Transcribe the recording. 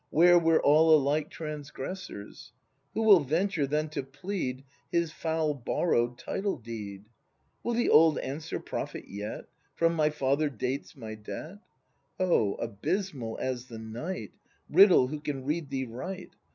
Where we're all alike transgressors.'' Who will venture then to plead His foul borrow'd title deed ? Will the old answer profit yet: " From my father dates my debt ?" O, abysmal as the night, Riddle, who can read thee right!